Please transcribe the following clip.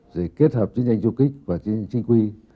rồi kết hợp chiến tranh du kích và chiến tranh chinh quy